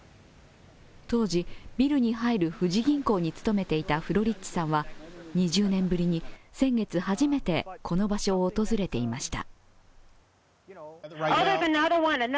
当時、ビルに入る富士銀行に勤めていたフロリッチさんは２０年ぶりに先月、初めてこの場所を訪れていました。